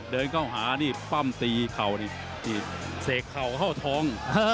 เดินเข้าหานี่ปั้มตีเข่านี่เสกเข่าเข้าทอง